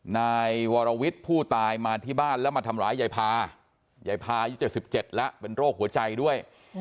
นายวรวิทย์ผู้ตายมาที่บ้านแล้วมาทำร้ายยายพายายพายุ๗๗แล้วเป็นโรคหัวใจด้วย